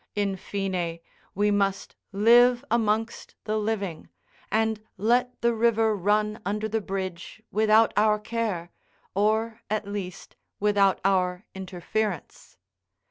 In fine, we must live amongst the living, and let the river run under the bridge without our care, or, at least, without our interference.